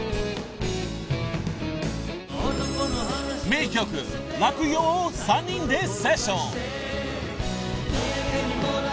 ［名曲『落陽』を３人でセッション］